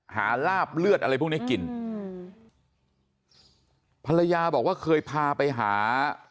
หาลาบเลือดอะไรพวกเนี้ยกินอืมภรรยาบอกว่าเคยพาไปหา